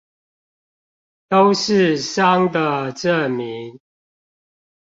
都是傷的證明